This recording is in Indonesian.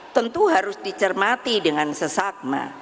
tentu harus dicermati dengan sesakma